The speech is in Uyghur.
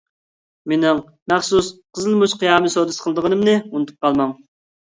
مېنىڭ مەخسۇس قىزىل مۇچ قىيامى سودىسى قىلىدىغىنىمنى ئۇنتۇپ قالماڭ!